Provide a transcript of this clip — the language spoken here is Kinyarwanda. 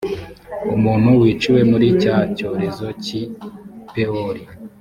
umuntu wiciwe muri cya cyorezo cy’i pewori.